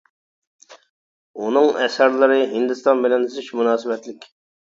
ئۇنىڭ ئەسەرلىرى ھىندىستان بىلەن زىچ مۇناسىۋەتلىك.